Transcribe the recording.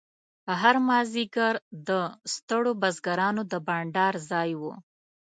هر مازیګر د ستړو بزګرانو د بنډار ځای و.